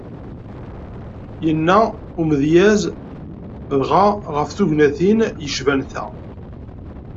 Yenna umedyaz dɣa ɣef tegnatin yecban ta.